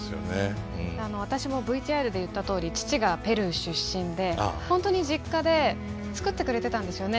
私もＶＴＲで言ったとおり父がペルー出身で本当に実家で作ってくれてたんですよね